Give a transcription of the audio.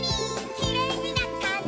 「きれいになったね」